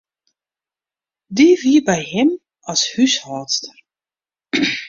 Dy wie by him as húshâldster.